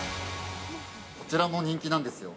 ◆こちらも人気なんですよ。